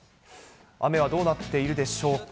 雨はどうなっているでしょうか。